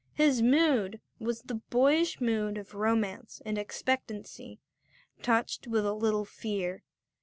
His mood was the boyish mood of romance and expectancy, touched with a little fear.